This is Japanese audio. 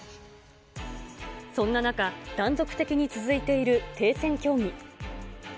そんな中、断続的に続いている停戦協議。